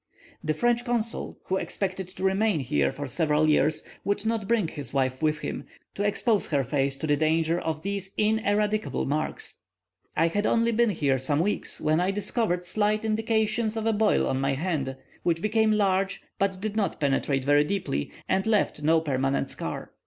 The French consul, who expected to remain here for several years, would not bring his wife with him, to expose her face to the danger of these ineradicable marks. I had only been here some weeks, when I discovered slight indications of a boil on my hand, which became large, but did not penetrate very deep, and left no permanent scar.